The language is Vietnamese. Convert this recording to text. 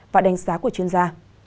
và đánh giá của chuyên gia